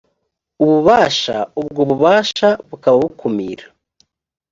ububasha ubwo bubasha bukaba bukumira